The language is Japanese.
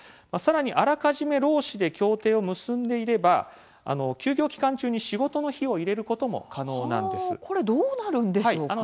さらに、あらかじめ労使で協定を結んでいれば休業期間中に仕事の日を入れることもこれどうなるんでしょうか？